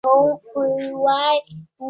长臀云南鳅为鳅科云南鳅属的鱼类。